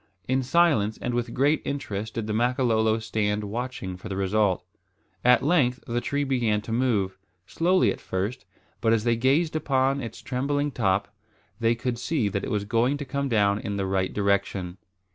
In silence and with intense interest did the Makololo stand watching for the result. At length the tree began to move; slowly at first, but as they gazed upon its trembling top, they could see that it was going to come down in the right direction.